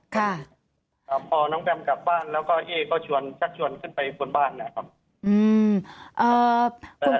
ครับครับพอน้องแบมกลับบ้านแล้วก็เอ๊ก็ชวนชักชวนขึ้นไปบนบ้านนะครับ